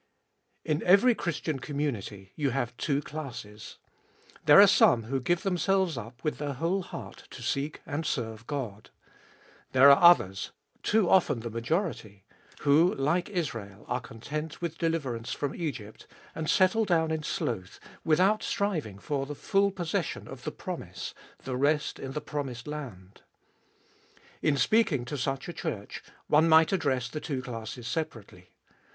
IN every Christian community you have two classes. There are some who give themselves up with their whole heart to seek and serve God. There are others, too often the majority, who, like Israel, are content with deliverance from Egypt, and settle down in sloth, without striving for the full possession of the promise, the rest in the promised land. In speaking to such a Church, one might address the two classes separately.